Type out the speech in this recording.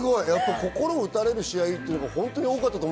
心を打たれる試合が本当に多かった。